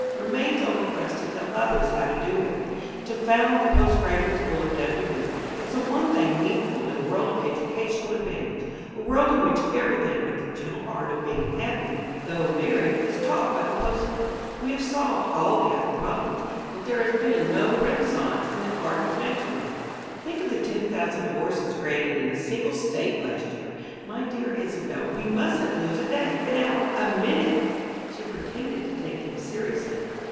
Remains only for us to tell others how to do it; to found the Post Graduate School of W. B. It's the one thing needful in a world of educational advantage; a world in which everything but the gentle art of being happy, though married, is taught by the postman. We have solved all the other problems, but there has been no renaissance in the art of matrimony. Think of the ten thousand divorces granted in a single state last year! My dear Isobel, we mustn't lose a day an hour a minute!" She pretended to take him seriously.